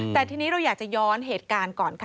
แต่ทีนี้เราอยากจะย้อนเหตุการณ์ก่อนค่ะ